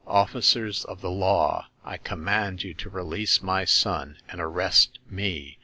Officers of the law, I command you to release my son and arrest me.